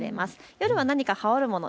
夜は何か羽織るもの